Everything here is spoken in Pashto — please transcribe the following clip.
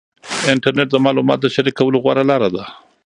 انټرنیټ د معلوماتو د شریکولو غوره لار ده.